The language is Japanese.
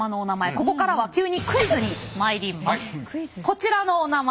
ここからは急にクイズに参ります。